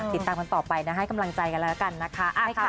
ติดตามกันต่อไปนะให้กำลังใจกันแล้วกันนะคะ